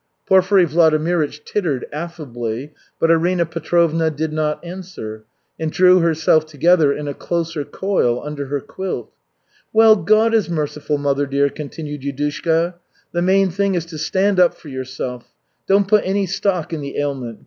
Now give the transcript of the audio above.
Porfiry Vladimirych tittered affably, but Arina Petrovna did not answer, and drew herself together in a closer coil under her quilt. "Well, God is merciful, mother dear," continued Yudushka. "The main thing is to stand up for yourself. Don't put any stock in the ailment.